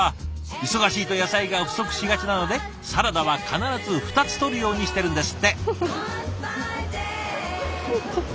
忙しいと野菜が不足しがちなのでサラダは必ず２つとるようにしてるんですって。